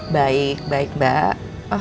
baik baik mbak